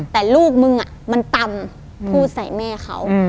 แต่ลูกมึงมันตำพูดใส่แม่เขา